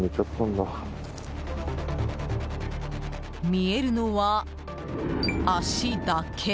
見えるのは足だけ。